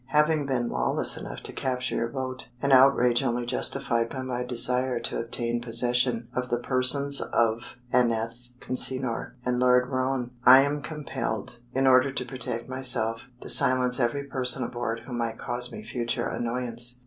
Having been lawless enough to capture your boat, an outrage only justified by my desire to obtain possession of the persons of Aneth Consinor and Lord Roane, I am compelled, in order to protect myself, to silence every person aboard who might cause me future annoyance.